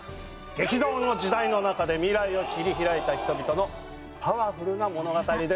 激動の時代の中で未来を切り開いた人々のパワフルな物語です。